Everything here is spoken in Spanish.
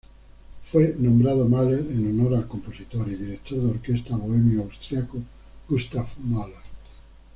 Fue nombrado Mahler en honor al compositor y director de orquesta bohemio-austríaco Gustav Mahler.